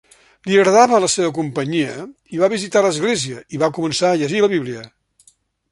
Li agradava la seva companyia i va visitar l'església i va començar a llegir la Bíblia.